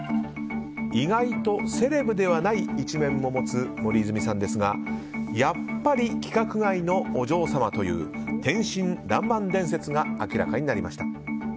意外とセレブではない一面も持つ森泉さんですがやっぱり規格外のお嬢様という天真らんまん伝説が明らかになりました。